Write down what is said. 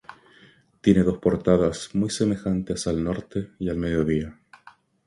Tiene dos portadas muy semejantes al norte y al mediodía.